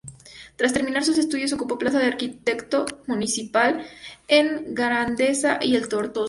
Tras terminar sus estudios ocupó plaza de arquitecto municipal en Gandesa y en Tortosa.